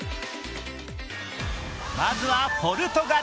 まずはポルトガル。